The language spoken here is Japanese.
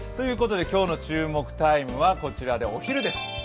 今日の注目タイムはお昼です。